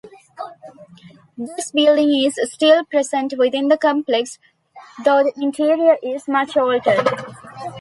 This building is still present within the complex, though the interior is much altered.